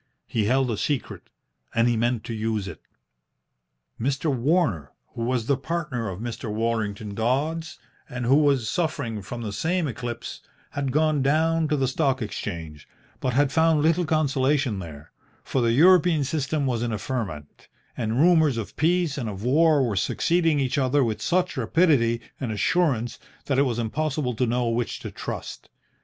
He held a secret, and he meant to use it. Mr. Warner, who was the partner of Mr. Worlington Dodds, and who was suffering from the same eclipse, had gone down to the Stock Exchange, but had found little consolation there, for the European system was in a ferment, and rumours of peace and of war were succeeding each other with such rapidity and assurance that it was impossible to know which to trust.